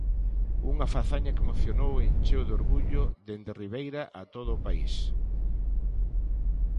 Unha fazaña que emocionou e encheu de orgullo dende Ribeira a todo o país.